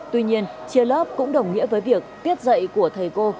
tuy nhiên chia lớp cũng đồng nghĩa với việc tiết dạy của thầy cô